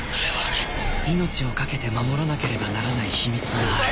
［命を懸けて守らなければならない秘密がある］